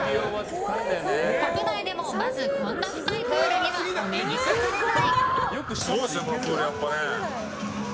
国内でもまずこんな深いプールにはお目にかかれない。